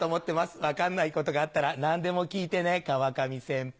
分かんないことがあったら何でも聞いてね川上先輩！